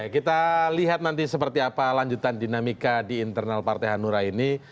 kita lihat nanti seperti apa lanjutan dinamika di internal partai hanura ini